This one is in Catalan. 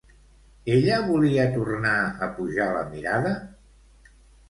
Ella volia tornar a pujar la mirada?